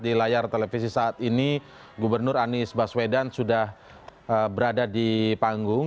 di layar televisi saat ini gubernur anis bas vedan sudah berada di panggung